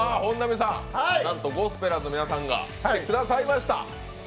なんとゴスペラーズの皆さんが来てくださいました！